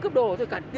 chị đừng nói chuyện này